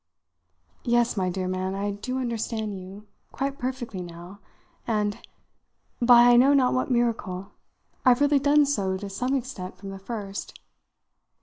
"Yes, my dear man, I do understand you quite perfectly now, and (by I know not what miracle) I've really done so to some extent from the first.